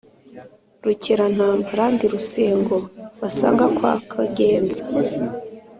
Rukerantambara ndi Rusengo basanga kwa Kagenza.